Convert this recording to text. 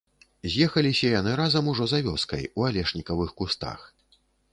З'ехаліся яны разам ужо за вёскай, у алешнікавых кустах.